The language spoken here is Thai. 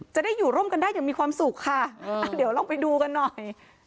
จะได้อยู่ร่วมกันได้อย่างมีความสุขค่ะเดี๋ยวลองไปดูกันหน่อย